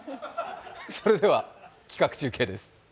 それでは企画中継です。